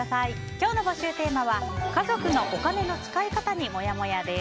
今日の募集テーマは、家族のお金の使い方にモヤモヤです。